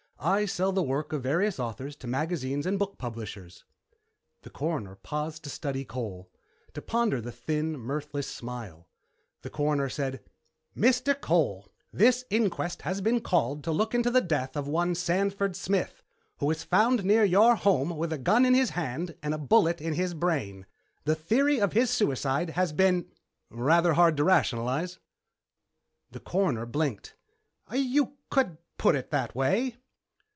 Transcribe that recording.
I sell the work of various authors to magazine and book publishers." The Coroner paused to study Cole; to ponder the thin, mirthless smile. The Coroner said, "Mr. Cole, this inquest has been called to look into the death of one Sanford Smith, who was found near your home with a gun in his hand and a bullet in his brain. The theory of suicide has been "" rather hard to rationalize?" The Coroner blinked. "You could put it that way."